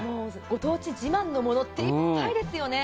ご当地自慢のものっていっぱいありますよね。